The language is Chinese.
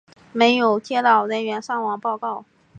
没有接到人员伤亡报告。